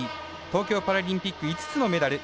東京パラリンピック５つのメダル。